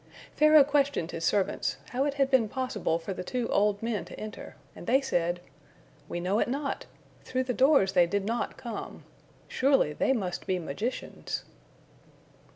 Pharaoh questioned his servants, how it had been possible for the two old men to enter, and they said: "We know it not! Through the doors they did not come. Surely, they must be magicians."